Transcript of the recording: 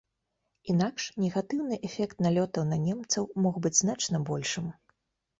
Інакш негатыўны эфект налётаў на немцаў мог быць значна большым.